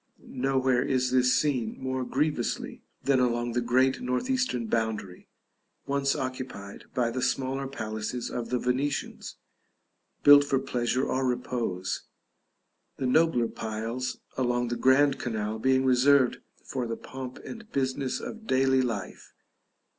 Nowhere is this seen more grievously than along the great north eastern boundary, once occupied by the smaller palaces of the Venetians, built for pleasure or repose; the nobler piles along the grand canal being reserved for the pomp and business of daily life.